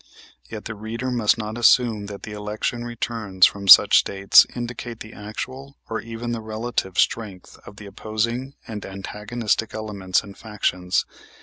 Yet the reader must not assume that the election returns from such States indicate the actual, or even the relative, strength of the opposing and antagonistic elements and factions.